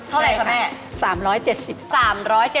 เท่าไหร่คะแม่